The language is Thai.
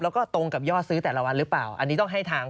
แล้วก็ตรงกับยอดซื้อแต่ละวันหรือเปล่าอันนี้ต้องให้ทาง